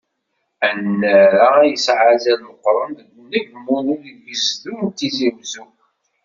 Annar-a, yesɛan azal meqqren deg unegmu deg ugezdu n Tizi Uzzu.